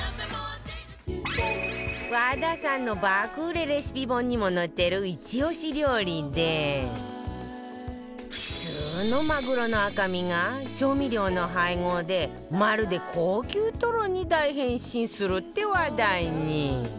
和田さんの爆売れレシピ本にも載ってるイチ押し料理で普通のマグロの赤身が調味料の配合でまるで高級トロに大変身するって話題に